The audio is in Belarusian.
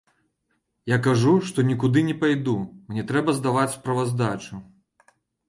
Я кажу, што нікуды не пайду, мне трэба здаваць справаздачу.